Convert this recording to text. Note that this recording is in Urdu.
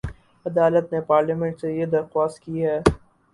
عدالت نے پارلیمنٹ سے یہ درخواست کی ہے